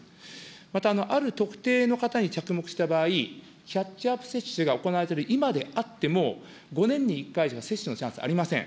また、ある特定の方に着目した場合、キャッチアップ接種が行われている今であっても、５年に１回しか接種のチャンスありません。